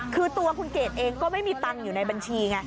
คือตัวคุณเกดเองก็ไม่มีตังค์อยู่ในบัญชีไง